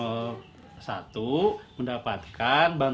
ya gimana pak rw ini niatnya untuk membencangkan masalah